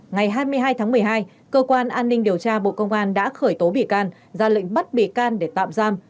ngày hai mươi hai tháng một mươi hai cơ quan an ninh điều tra bộ công an đã khởi tố bị can ra lệnh bắt bị can để tạm giam